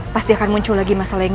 pasti akan muncul lagi masalah yang